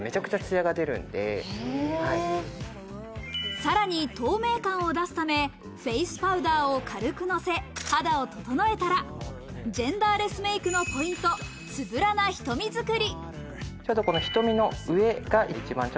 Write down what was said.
さらに透明感を出すためフェイスパウダーを軽くのせ、肌を整えたら、ジェンダーレスメイクのポイント、つぶらな瞳作り。